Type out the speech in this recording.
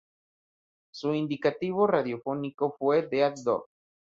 Su indicativo radiofónico fue "Dead Dog".